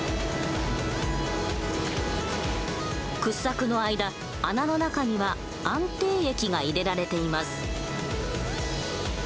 掘削の間穴の中には安定液が入れられています。